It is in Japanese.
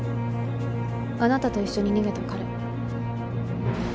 あなたと一緒に逃げた彼。